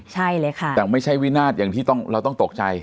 ใช่เลยค่ะแต่ไม่ใช่วินาศอย่างที่เราต้องตกใจ